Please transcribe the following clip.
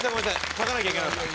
書かなきゃいけなかった。